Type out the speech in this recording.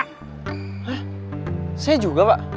hah saya juga pak